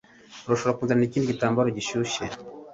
Urashobora kunzanira ikindi gitambaro gishyushye?